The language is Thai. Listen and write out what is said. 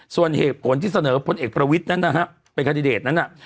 ส่วนเหตุผลที่เสนอพลเอกประวิทย์นั้นนะฮะเป็นคาดิเดตนั้นน่ะ